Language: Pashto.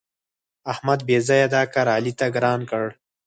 احمد بېځآیه دا کار علي ته ګران کړ.